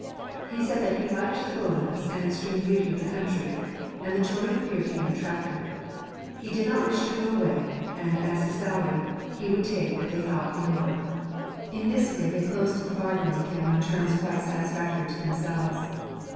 He said that he liked the wildness and extreme beauty of the country, and the children appeared to him attractive; he did not wish to go away; and as to salary, he would take what they thought him worth. In this way they closed the bargain with him on terms quite satisfactory to themselves.